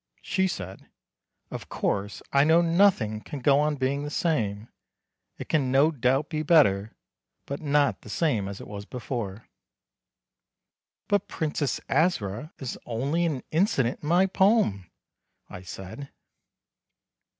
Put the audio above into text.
She said: "Of course I know nothing can go on being the same. It can no doubt be better, but not the same as it was before." "But Princess Asra is only an incident in my poem," I said.